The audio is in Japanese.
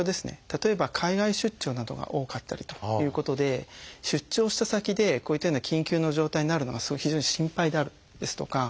例えば海外出張などが多かったりということで出張した先でこういったような緊急の状態になるのは非常に心配であるですとか